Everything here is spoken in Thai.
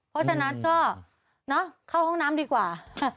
เพราะฉะนั้นก็เข้าห้องน้ำดีกว่า